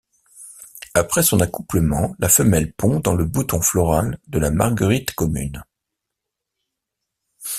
Après son accouplement, la femelle pond dans le bouton floral de la Marguerite commune.